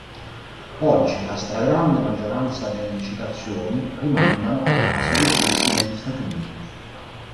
Oggi, la stragrande maggioranza delle citazioni rimandano a casi decisi negli Stati Uniti.